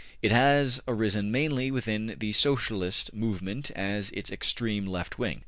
It has arisen mainly within the Socialist movement as its extreme left wing.